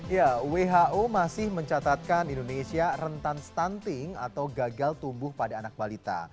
ya who masih mencatatkan indonesia rentan stunting atau gagal tumbuh pada anak balita